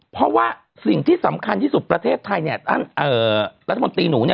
เพราะว่าสิ่งที่สำคัญที่สุดประเทศไทยเนี่ยท่านรัฐมนตรีหนูเนี่ย